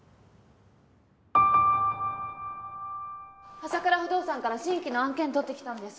浅桜不動産から新規の案件取ってきたんです。